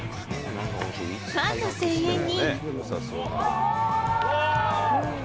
ファンの声援に。